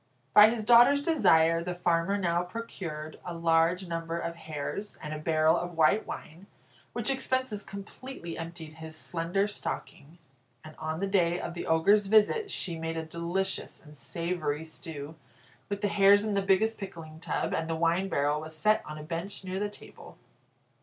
By his daughter's desire the farmer now procured a large number of hares, and a barrel of white wine, which expenses completely emptied his slender stocking, and on the day of the Ogre's visit, she made a delicious and savoury stew with the hares in the biggest pickling tub, and the wine barrel was set on a bench near the table.